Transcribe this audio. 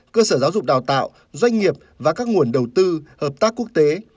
cơ sở giáo dục đào tạo doanh nghiệp và các nguồn đầu tư hợp tác quốc tế